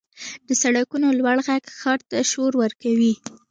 • د سړکونو لوړ ږغ ښار ته شور ورکوي.